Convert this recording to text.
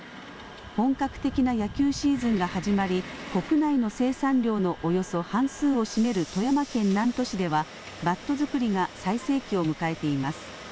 本格的な野球シーズンが始まり、国内の生産量のおよそ半数を占める富山県南砺市では、バット作りが最盛期を迎えています。